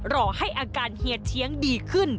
รอให้อาการเฮียเชียงดีขึ้น